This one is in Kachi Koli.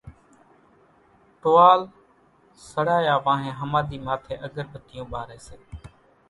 ٽوئال سڙايا وانھين ۿماۮي ماٿي اڳر ٻتيون ٻاري سي